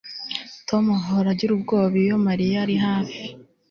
tom ahora agira ubwoba iyo mariya ari hafi